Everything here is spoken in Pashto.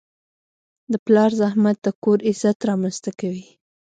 د پلار زحمت د کور عزت رامنځته کوي.